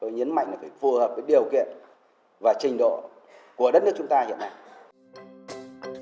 tôi nhấn mạnh là phải phù hợp với điều kiện và trình độ của đất nước chúng ta hiện nay